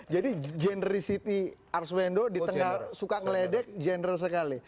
jadi genericity arswendo suka ngeledek general sekali